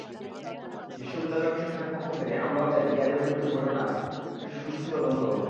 বিশ্ববিদ্যালয় প্রশাসনের পক্ষ থেকে আমরাও চাই, দিয়াজের মৃত্যুর ঘটনায় সুষ্ঠু তদন্ত হোক।